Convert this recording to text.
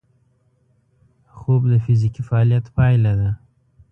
خوب د فزیکي فعالیت پایله ده